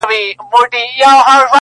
زلزلې نه ګوري پښتون او فارسي وان وطنه -